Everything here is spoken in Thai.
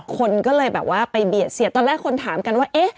คนก็เลยไปเบียดเสียดตอนแรกคนถามกันว่า